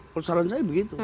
kalau saran saya begitu